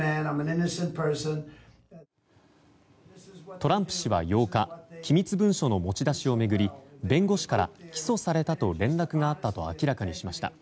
トランプ氏は８日機密文書の持ち出しを巡り弁護士から起訴されたと連絡があったと明らかにしました。